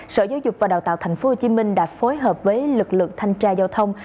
sở giáo dục và đào tạo tp hcm đã phối hợp với lực lượng thanh tra giao thông